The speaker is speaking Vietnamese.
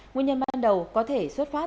nguyên nhân ban đầu có thể xuất phát